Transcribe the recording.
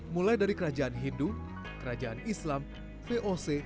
mulai dari kerajaan hindu kerajaan islam voc